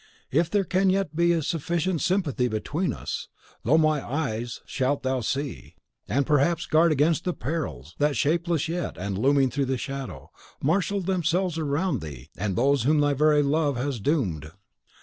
If there can yet be sufficient sympathy between us, through MY eyes shalt thou see, and perhaps guard against the perils that, shapeless yet, and looming through the shadow, marshal themselves around thee and those whom thy very love has doomed.